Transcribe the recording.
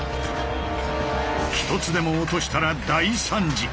一つでも落としたら大惨事。